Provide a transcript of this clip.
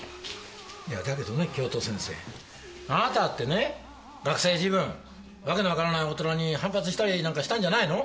いやだけどね教頭先生あなただってね学生時分訳の分からない大人に反発したりなんかしたんじゃないの？